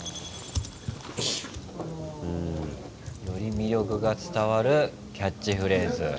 より魅力が伝わるキャッチフレーズ。